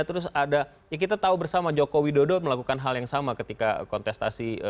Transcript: terus ada ya kita tahu bersama joko widodo melakukan hal yang sama ketika kontestasi